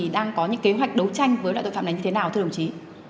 đang có những kế hoạch đấu tranh với loại tội phạm này như thế nào thưa đồng chí